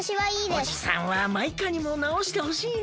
おじさんはマイカにもなおしてほしいな。